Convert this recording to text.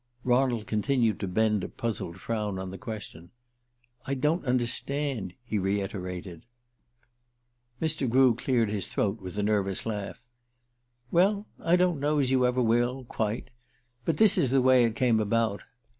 Ronald continued to bend a puzzled frown on the question. "I don't understand," he reiterated. Mr. Grew cleared his throat with a nervous laugh. "Well, I don't know as you ever will quite. But this is the way it came about.